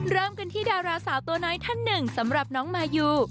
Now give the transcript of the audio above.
เริ่มกันที่ดาราสาวตัวน้อยท่านหนึ่งสำหรับน้องมายู